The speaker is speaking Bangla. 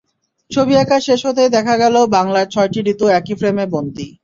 ছবি আঁকা শেষ হতেই দেখা গেল বাংলার ছয়টি ঋতু একই ফ্রেমে বন্দী।